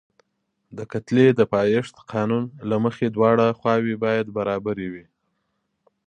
د کتلې د پایښت قانون له مخې دواړه خواوې باید برابرې وي.